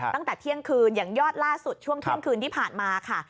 ตั้งแต่เที่ยงคืนอย่างยอดล่าสุดช่วงเที่ยงคืนที่ผ่านมาค่ะ